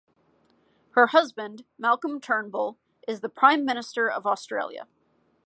Her husband, Malcolm Turnbull, is the Prime Minister of Australia.